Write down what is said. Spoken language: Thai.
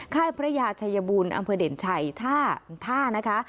ค่ายพระยาชัยบูรณ์อำเภอเด่นชัยท่านะคะ